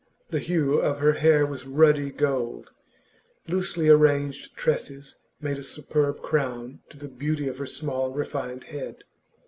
The hue of her hair was ruddy gold; loosely arranged tresses made a superb crown to the beauty of her small, refined head.